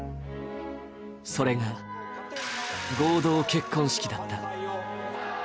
それが合同結婚式だった。